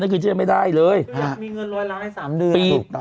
นั้นคือจะยังไม่ได้เลยฮะอยากมีเงินร้อยล้านในสามเดือน